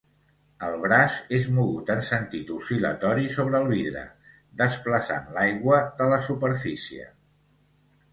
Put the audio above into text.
El braç és mogut en sentit oscil·latori sobre el vidre, desplaçant l'aigua de la superfície.